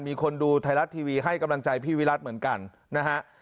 มีคนดูไทยรัฐทีวีให้กำลังใจพี่วิรัติเหมือนกันนะฮะ